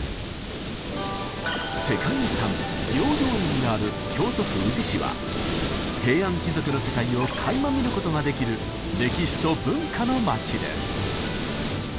世界遺産平等院がある京都府宇治市は平安貴族の世界をかいま見ることができる歴史と文化のまちです。